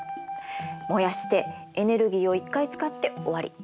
燃やしてエネルギーを１回使って終わり。